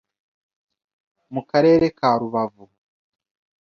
Mu karere ka Rubavu